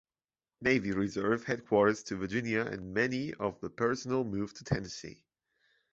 Navy Reserve headquarters to Virginia and many of the personnel moved to Tennessee.